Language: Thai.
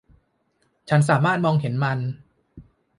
ฉันสามารถมองเห็นมัน